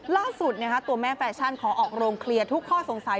ล่าสุดตัวแม่แฟชั่นขอออกโรงเคลียร์ทุกข้อสงสัย